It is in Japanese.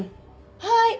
はい！